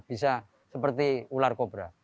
bisa seperti ular kobra